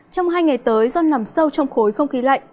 trong hai ngày tới do nằm sâu trong khối không khí lạnh